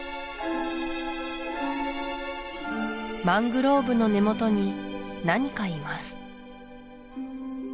マングローブの根元に何かいます